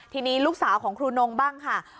ทีนี้ลูกสาวของครูนงบ้างค่ะ